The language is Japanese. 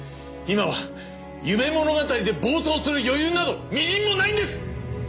今は夢物語で暴走する余裕などみじんもないんです！